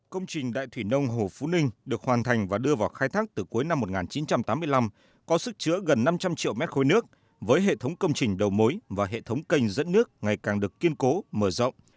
công trình đại thủy nông hồ phú ninh được hoàn thành và đưa vào khai thác từ cuối năm một nghìn chín trăm tám mươi năm có sức chứa gần năm trăm linh triệu mét khối nước với hệ thống công trình đầu mối và hệ thống kênh dẫn nước ngày càng được kiên cố mở rộng